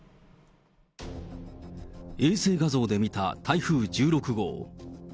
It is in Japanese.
衛星画像で見た台風１６号。